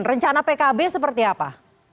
rencana pkb seperti apa